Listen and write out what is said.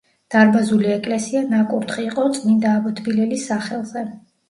დარბაზული ეკლესია ნაკურთხი იყო წმინდა აბო თბილელის სახელზე.